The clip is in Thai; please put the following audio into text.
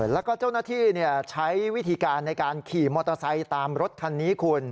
แล้วก็เจ้าหน้าที่ใช้วิธีการในการขี่มอเตอร์ไซค์ตามรถคันนี้คุณ